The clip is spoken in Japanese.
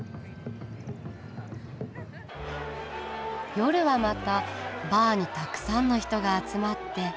夜はまたバーにたくさんの人が集まって。